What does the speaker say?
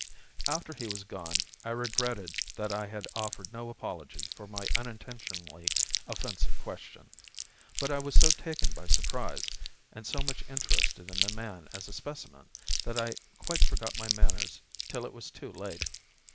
After he was gone, I regretted that I had offered no apology for my unintentionally offensive question; but I was so taken by surprise, and so much interested in the man as a specimen, that I quite forgot my manners till it was too late.